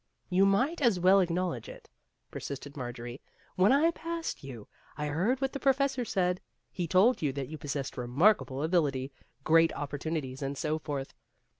" You might as well acknowledge it," persisted Marjorie ;" when I passed you, I heard what the professor said. He told you that you possessed remarkable ability, great opportunities, and so forth.